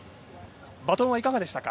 バトンはいかがでしたか？